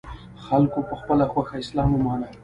خلکو په خپله خوښه اسلام ومانه